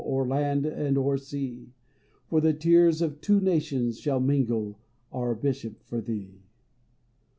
O'er land and o'er sea ! For the tears of two nations shall mingle, Our Bishop, for thee.